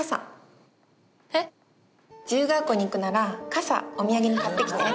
自由が丘に行くなら傘お土産に買ってきて。